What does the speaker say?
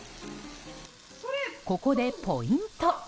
ここでポイント。